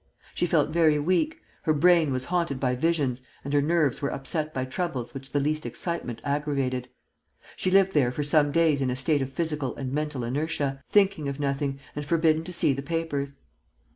She felt very weak, her brain was haunted by visions and her nerves were upset by troubles which the least excitement aggravated. She lived there for some days in a state of physical and mental inertia, thinking of nothing and forbidden to see the papers.